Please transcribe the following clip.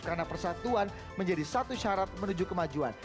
karena persatuan menjadi satu syarat menuju kemajuan